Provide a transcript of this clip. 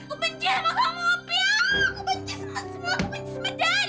aku benci sama semua aku benci sama daddy